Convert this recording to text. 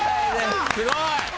すごい。